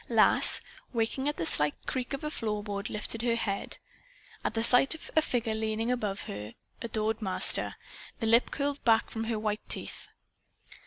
Lass, waking at the slight creak of a floorboard, lifted her head. At sight of the figure leaning above her adored master, the lip curled back from her white teeth.